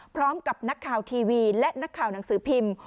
พร้อมกับนักข่าวทีวีและนักข่าวหนังสือพิมพ์